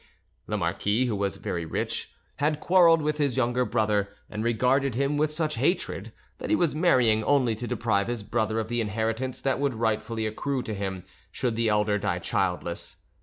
The marquis, who was very rich, had quarrelled With his younger brother, and regarded him with such hatred that he was marrying only to deprive his brother of the inheritance that would rightfully accrue to him, should the elder die childless.